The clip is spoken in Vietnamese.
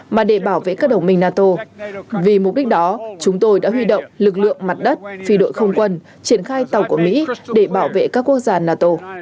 mà để bảo vệ các đồng minh nato vì mục đích đó chúng tôi đã huy động lực lượng mặt đất phi đội không quân triển khai tàu của mỹ để bảo vệ các quốc gia nato